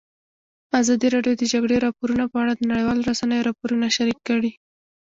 ازادي راډیو د د جګړې راپورونه په اړه د نړیوالو رسنیو راپورونه شریک کړي.